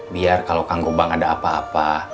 biar kalau kang kubang ada apa apa